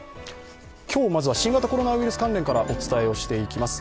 今日まずは新型コロナウイルス関連からお伝えしていきます。